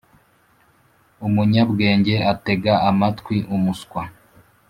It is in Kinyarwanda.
Umunyabwenge atega amatwi umuswa